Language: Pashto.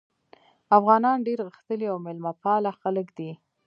افغانان ډېر غښتلي او میلمه پاله خلک دي.